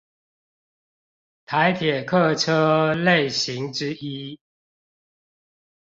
台鐵客車類型之一